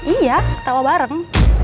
iya ketawa bareng